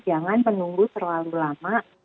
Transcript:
jangan menunggu terlalu lama